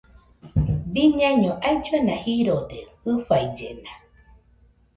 Biñaino ailluena jirode jɨfaillena